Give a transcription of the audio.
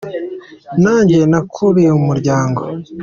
Nanjye nakuriye mumuryango.